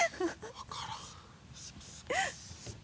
分からん。